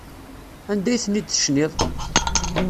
Anda ay ten-id-tecniḍ?